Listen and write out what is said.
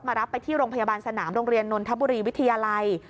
รับไปที่โรงพยาบาลสนามโรงเรียนนนทบุรีวิทยาลัย